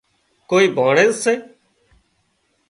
ڪوئي ڀانڻيز سي